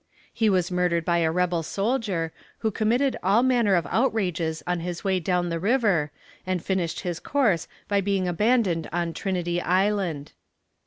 He was murdered by a rebel soldier, who committed all manner of outrages on his way down the river, and finished his course by being abandoned on Trinity Island.